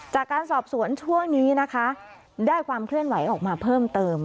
จากการสอบสวนช่วงนี้นะคะได้ความเคลื่อนไหวออกมาเพิ่มเติม